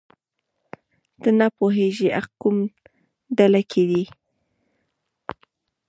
نه پوهېږي حق کومه ډله کې دی.